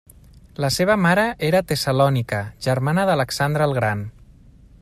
La seva mare era Tessalònica, germana d'Alexandre el Gran.